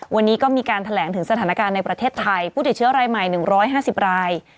วันนี้ก็มีการแถลงถึงสถานการณ์ในประเทศไทยผู้ติดเชื้อรายใหม่๑๕๐ราย